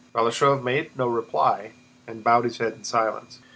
Balashëv made no reply and bowed his head in silence.